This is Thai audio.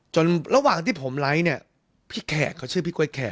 ระหว่างที่ผมไลค์เนี่ยพี่แขกเขาชื่อพี่กล้วยแขก